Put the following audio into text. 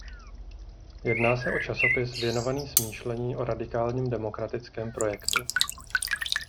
Jedná se o časopis věnovaný smýšlení o radikálním demokratickém projektu.